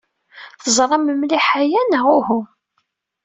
Teẓram mliḥ aya, neɣ uhu?